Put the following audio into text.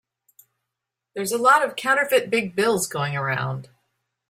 There's a lot of counterfeit big bills going around.